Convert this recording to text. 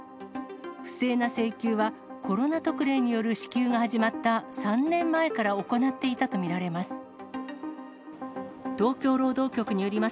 不正な請求は、コロナ特例による支給が始まった３年前から行っていたと見られます。